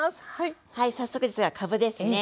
はい早速ですがかぶですね。